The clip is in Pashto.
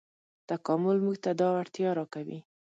تکامل موږ ته دا وړتیا راکوي.